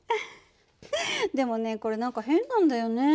でもねこれ何か変なんだよね。